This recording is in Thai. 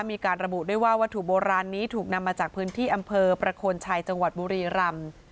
มีการระบุด้วยว่าวัตถุโบราณนี้ถูกนำมาจากพื้นที่อำเภอประโคนชัยจังหวัดบุรีรำ